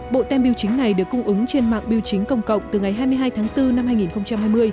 bộ tem biêu chính này được cung ứng trên mạng biêu chính công cộng từ ngày hai mươi hai tháng bốn năm hai nghìn hai mươi